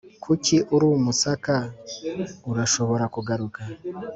kuki uri umusaka, urashobora kugaruka.